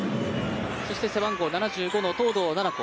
そして、背番号７５の東藤なな子。